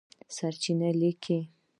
سرچېنې لیکلي